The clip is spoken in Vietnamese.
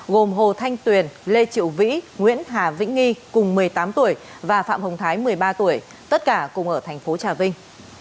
gồm hồ thanh tuyền lê triệu vĩ nguyễn hà vĩnh nghi cùng một mươi tám tuổi và phạm hồng thái một mươi ba tuổi tất cả cùng ở thành phố trà vinh